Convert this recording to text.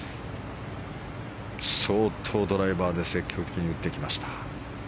相当ドライバーで積極的に打ってきました。